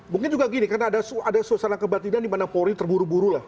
mungkin juga gini karena ada suasana kebatinan di mana polri terburu buru lah